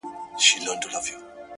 هغې ويل ته خو ضرر نه دی په کار;